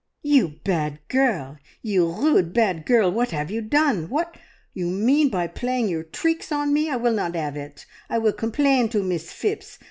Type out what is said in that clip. "You bad girl! You rude, bad girl! What 'ave you done? What you mean playing your treecks on me? I will not 'ave it. I will complain to Miss Phipps.